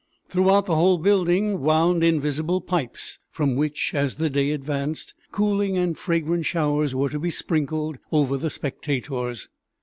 Throughout the whole building wound invisible pipes, from which, as the day advanced, cooling and fragrant showers were to be sprinkled over the spectators.